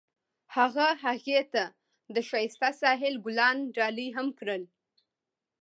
هغه هغې ته د ښایسته ساحل ګلان ډالۍ هم کړل.